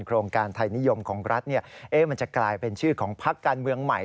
โครงการไทยนิยมของรัฐมันจะกลายเป็นชื่อของพักการเมืองใหม่